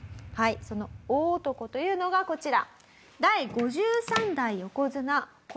その大男というのがこちら。